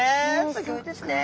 すギョいですね。